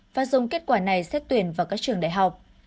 và dùng kết quả này xét tuyển vào các trường đại học